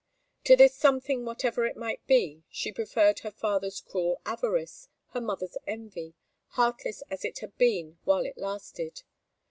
To this something, whatever it might be, she preferred her father's cruel avarice, her mother's envy, heartless as it had been while it lasted.